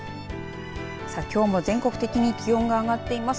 さあきょうも全国的に気温が上がっています。